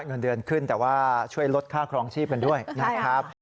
เงินเดือนขึ้นแต่ว่าช่วยลดค่าครองชีพกันด้วยนะครับ